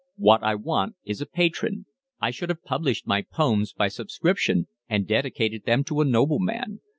"What I want is a patron. I should have published my poems by subscription and dedicated them to a nobleman.